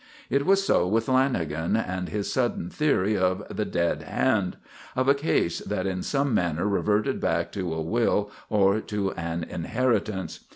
It was so with Lanagan and his sudden theory of the "dead hand"; of a case that in some manner reverted back to a will or to an inheritance.